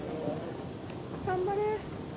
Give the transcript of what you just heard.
頑張れ。